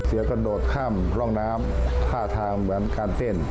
กระโดดข้ามร่องน้ำท่าทางเหมือนการเต้น